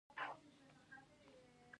سیلانی ځایونه د افغانستان د اقتصاد برخه ده.